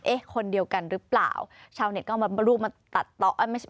เอ๊ะคนเดียวกันหรือเปล่าชาวเน็ตก็เอามารูปมาตัดต่อเอ้าไม่ใช่